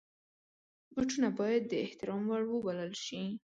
بوټونه باید د احترام وړ وبلل شي.